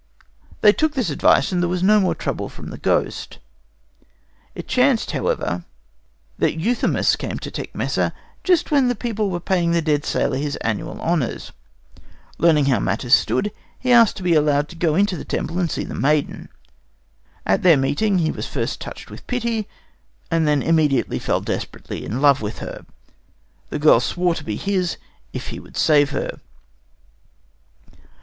They took this advice, and there was no more trouble from the ghost. It chanced, however, that Euthymus came to Tecmessa just when the people were paying the dead sailor the annual honours. Learning how matters stood, he asked to be allowed to go into the temple and see the maiden. At their meeting he was first touched with pity, and then immediately fell desperately in love with her. The girl swore to be his, if he would save her.